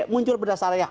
muncul perda syariah